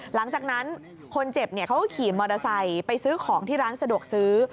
หลังจากนั้นคนเจ็บเขาก็ขี่มอเตอร์ไซค์ไปซื้อของที่ร้านสะดวกซื้อ